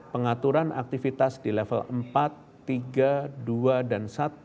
pengaturan aktivitas di level empat tiga dua dan satu